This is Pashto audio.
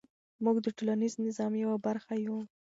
موږ د ټولنیز نظام یوه برخه یو.